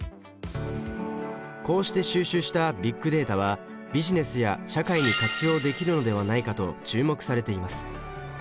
こうして収集したビッグデータはビジネスや社会に活用できるのではないかと注目されています。